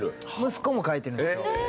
息子も書いてるんですよ。